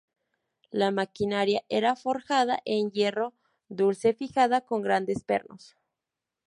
La maquinaria era forjada en hierro dulce fijada con grandes pernos.